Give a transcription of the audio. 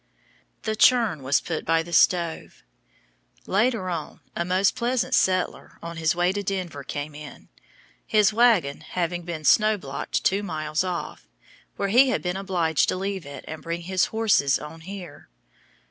The churn was put by the stove. Later on, a most pleasant settler, on his way to Denver, came in his wagon having been snow blocked two miles off, where he had been obliged to leave it and bring his horses on here.